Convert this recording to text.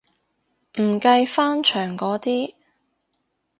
唔計翻牆嗰啲